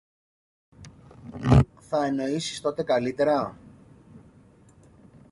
θα εννοήσεις τότε καλύτερα.